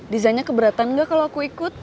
dizanya keberatan gak kalo aku ikut